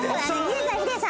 ヒデさん